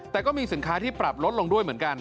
แต่ก็มีสินค้าที่ปรับลดลงด้วยเหมือนกัน